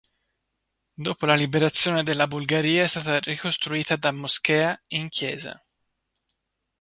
Dopo la liberazione della Bulgaria è stata ricostruita da moschea in chiesa.